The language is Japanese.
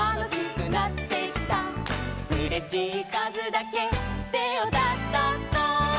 「うれしいかずだけてをたたこ」